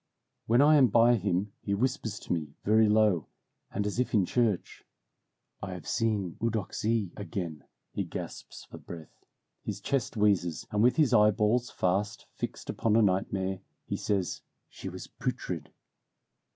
When I am by him he whispers to me, very low, and as if in church, "I have seen Eudoxie again." He gasps for breath, his chest wheezes, and with his eyeballs fast fixed upon a nightmare, he says, "She was putrid."